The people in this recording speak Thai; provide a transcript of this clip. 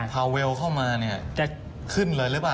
พาเวลเข้ามาจะขึ้นเลยหรือเปล่า